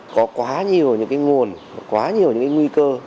có quá nhiều những cái nguồn quá nhiều những cái nguy cơ